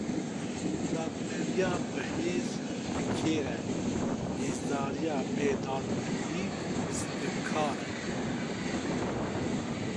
Dadmendiya bêhêz, bêkêr e; hêzdariya bê dadmendî, stemkar e.